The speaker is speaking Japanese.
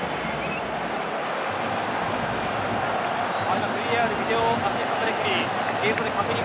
今、ＶＡＲ・ビデオアシスタントレフェリー。